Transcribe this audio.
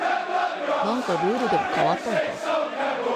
何かルールでも変わったのか